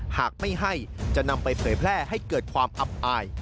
หากไม่ให้จะนำไปเผยแพร่ให้เกิดความอับอาย